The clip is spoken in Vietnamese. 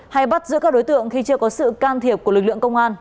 hay bắt giữ các đối tượng khi chưa có sự can thiệp của lực lượng công an